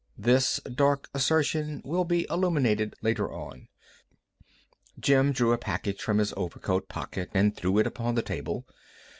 This dark assertion will be illuminated later on. Jim drew a package from his overcoat pocket and threw it upon the table.